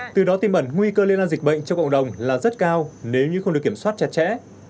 từ đó tiêm ẩn nguy cơ liên an dịch bệnh cho cộng đồng là rất cao nếu như không được kiểm soát chặt chẽ